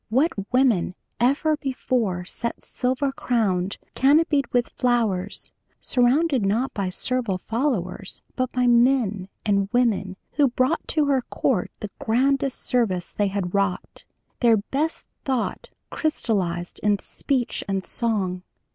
What woman ever before sat silver crowned, canopied with flowers, surrounded not by servile followers but by men and women who brought to her court the grandest service they had wrought, their best thought crystallized in speech and song.